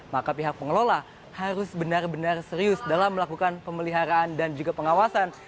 maka pihak pengelola harus benar benar serius dalam melakukan pemeliharaan dan juga pengawasan